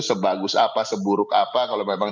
sebagus apa seburuk apa kalau memang